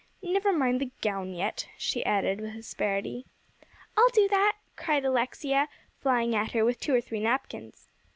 Never mind the gown yet," she added with asperity. "I'll do that," cried Alexia, flying at her with two or three napkins.